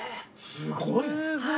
すごい。